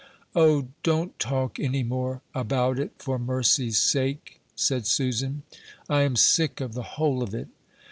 "O, don't talk any more about it, for mercy's sake," said Susan; "I am sick of the whole of it."